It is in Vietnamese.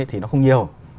thì nó không nhiều